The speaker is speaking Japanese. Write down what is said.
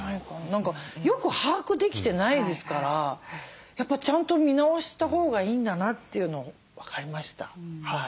何かよく把握できてないですからやっぱちゃんと見直したほうがいいんだなっていうのを分かりました。